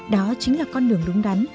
đó chính là con đường đúng đắn